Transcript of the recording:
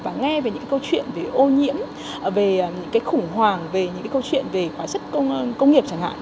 và nghe về những cái câu chuyện về ô nhiễm về những cái khủng hoảng về những cái câu chuyện về khóa sức công nghiệp chẳng hạn